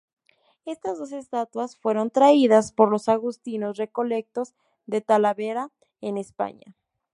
Estas dos estatuas fueron traídas por los agustinos recoletos de Talavera, en España.